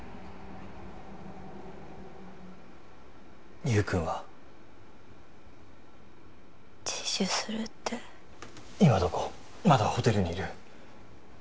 優くんは自首するって今どこまだホテルにいる？